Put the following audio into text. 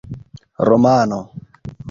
romano